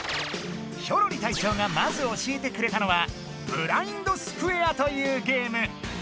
ひょろり隊長がまず教えてくれたのは「ブラインドスクエア」というゲーム。